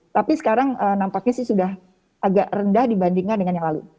tapi sekarang nampaknya sih sudah agak rendah dibandingkan dengan yang lalu